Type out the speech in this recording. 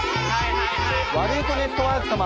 ワルイコネットワーク様。